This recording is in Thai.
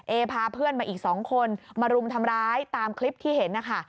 พาเพื่อนมาอีก๒คนมารุมทำร้ายตามคลิปที่เห็นนะคะ